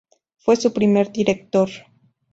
Fue su primer director.